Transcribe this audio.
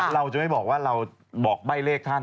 เราจะไม่บอกว่าเราบอกใบ้เลขท่าน